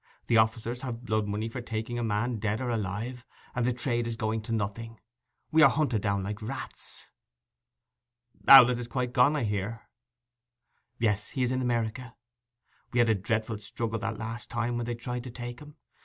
The officers have blood money for taking a man dead or alive, and the trade is going to nothing. We were hunted down like rats.' 'Owlett is quite gone, I hear.' 'Yes. He is in America. We had a dreadful struggle that last time, when they tried to take him.